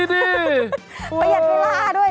ประหยัดเวลาด้วย